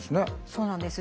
そうなんです。